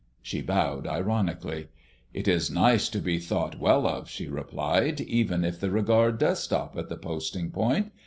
She bowed ironically. "It is nice to be thought well of," she replied, "even if the regard does stop at the posting point.